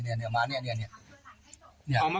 ในห้องหักแบบนี้เลยนะ